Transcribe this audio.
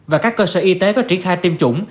và các cơ sở y tế có triển khai tiêm chủng